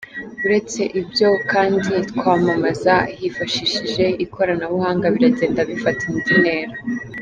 Uretse ibyo kandi, kwamamaza hifashishije ikoranabuhanga biragenda bifata indi ntera.